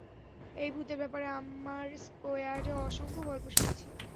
এই ভূতের ব্যাপারে আমার স্কোয়াডে অসংখ্য গল্প শুনেছি।